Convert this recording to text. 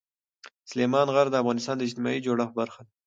سلیمان غر د افغانستان د اجتماعي جوړښت برخه ده.